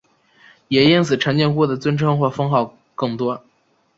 也因此陈靖姑的尊称或封号甚多。